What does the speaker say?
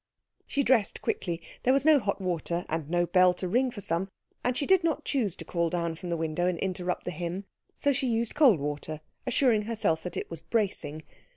She dressed quickly. There was no hot water, and no bell to ring for some, and she did not choose to call down from the window and interrupt the hymn, so she used cold water, assuring herself that it was bracing.